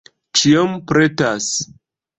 Ĉiom pretas.